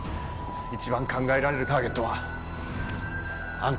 一番考えられるターゲットはあんただ。